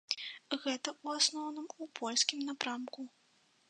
Гэта ў асноўным у польскім напрамку.